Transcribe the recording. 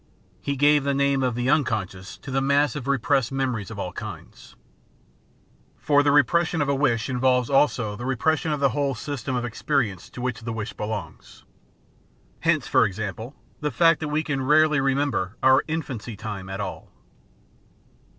He gave the name of the "unconscious" to the mass of repressed memories of all kinds. For the repression of a wish involves also the repression of the whole system of experience to 558 The Outline of Science which the wish belongs ; hence, for example, the fact that we can rarely remember our infancy time at all.